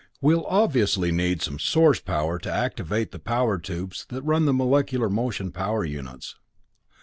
We'll obviously need some source of power to activate the power tubes that run the molecular motion power units.